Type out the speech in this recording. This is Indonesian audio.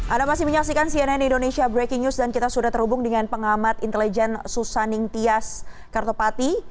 anda masih menyaksikan cnn indonesia breaking news dan kita sudah terhubung dengan pengamat intelijen susaning tias kartopati